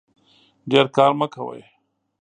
ډیر کار مه کوئ